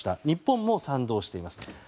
日本も賛同しています。